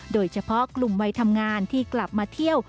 โดยเฉพาะกลุ่มวัยทำงานที่กลับมาเที่ยว